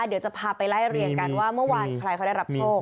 เดี๋ยวจะพาไปไล่เรียงกันว่าเมื่อวานใครเขาได้รับโชค